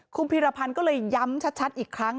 คุณพีรพันธ์ก็เลยย้ำชัดอีกครั้ง